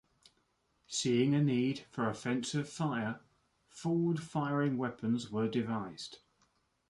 Seeing a need for offensive fire, forward-firing weapons were devised.